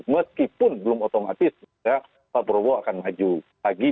meskipun belum otomatis pak prabowo akan maju lagi di dua ribu empat